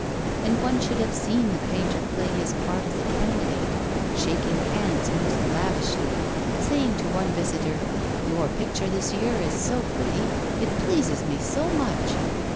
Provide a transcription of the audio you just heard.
And one should have seen the painter play his part as a candidate, shaking hands most lavishly, saying to one visitor: 'Your picture this year is so pretty, it pleases me so much!